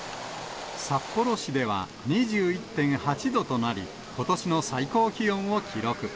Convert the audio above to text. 札幌市では２１．８度となり、ことしの最高気温を記録。